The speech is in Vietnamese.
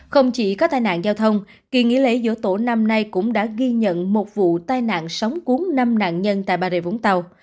không chỉ có tai nạn giao thông kỳ nghỉ lễ dỗ tổ năm nay cũng đã ghi nhận một vụ tai nạn sống cuốn năm nạn nhân tại bà rịa vũng tàu